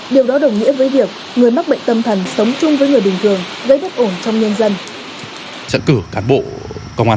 điều đó đồng nghĩa với việc người mắc bệnh tâm thần sống chung với người bình thường gây bất ổn trong nhân dân